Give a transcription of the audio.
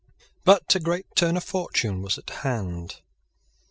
But a great turn of fortune was at hand.